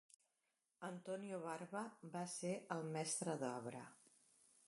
Antonio Barba va ser el mestre d'obra.